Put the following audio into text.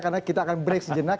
karena kita akan break sejenak